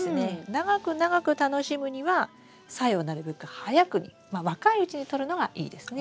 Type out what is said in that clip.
長く長く楽しむにはサヤをなるべく早くにまあ若いうちにとるのがいいですね。